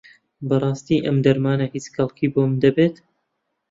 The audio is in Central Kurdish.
بەڕاستی ئەم دەرمانە هیچ کەڵکێکی بۆم دەبێت؟